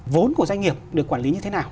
vốn của doanh nghiệp được quản lý như thế nào